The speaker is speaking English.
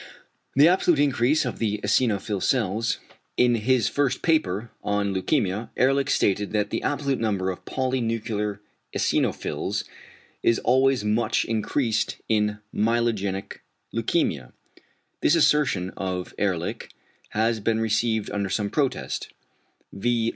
3. =The absolute increase of the eosinophil cells.= In his first paper on leukæmia, Ehrlich stated that the absolute number of polynuclear eosinophils is always much increased in myelogenic leukæmia. This assertion of Ehrlich has been received under some protest; v.